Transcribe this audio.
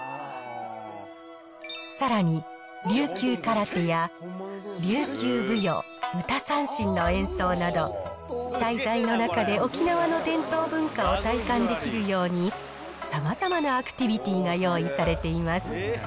さらに、琉球空手や琉球舞踊、歌三線の演奏など、滞在の中で沖縄の伝統文化を体感できるように、さまざまなアクティビティが用意されています。